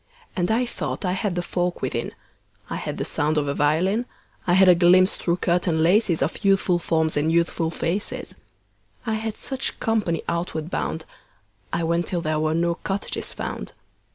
And I thought I had the folk within: I had the sound of a violin; I had a glimpse through curtain laces Of youthful forms and youthful faces. I had such company outward bound. I went till there were no cottages found.